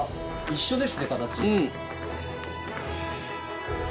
一緒ですね形。